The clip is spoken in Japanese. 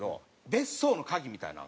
別荘の鍵みたいなのが。